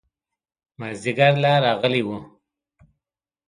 مازدیګر لا راغلی و.